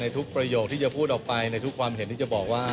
ทุกประโยคที่จะพูดออกไปในทุกความเห็นที่จะบอกว่า